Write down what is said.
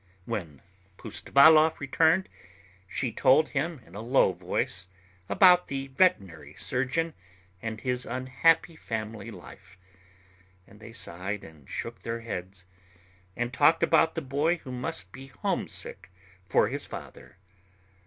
When Pustovalov returned, she told him in a low voice about the veterinary surgeon and his unhappy family life; and they sighed and shook their heads, and talked about the boy who must be homesick for his father.